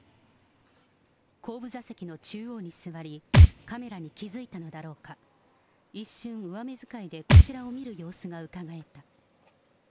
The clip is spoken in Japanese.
後部座席の中央に座り、カメラに気付いたのだろうか、一瞬、上目づかいでこちらを見る様子がうかがえた。